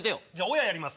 親やります。